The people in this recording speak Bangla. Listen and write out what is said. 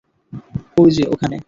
ওই যে ওখানে!